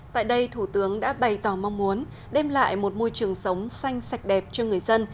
tại đây thủ tướng đã bày tỏ mong muốn đem lại một môi trường sống xanh sạch đẹp cho người dân